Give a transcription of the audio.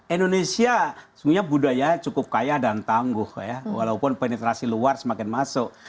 indonesia sebenarnya budaya cukup kaya dan tangguh ya walaupun penetrasi luar semakin masuk